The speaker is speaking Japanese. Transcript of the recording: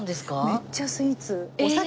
めっちゃスイーツ。